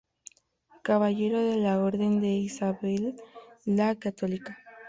Caballero de la Orden de Isabel la Católica.